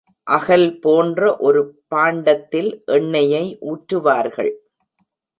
அகல் போன்ற ஒரு பாண்டத்தில் எண்ணெயை ஊற்றுவார்கள்.